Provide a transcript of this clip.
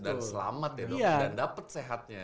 dan selamat ya dok dan dapet sehatnya